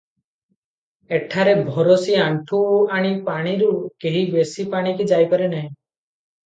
ଏଠାରେ ଭରସି ଆଣ୍ଠୁ ଆଣି ପାଣିରୁ କେହି ବେଶି ପାଣିକି ଯାଇପାରେ ନାହିଁ ।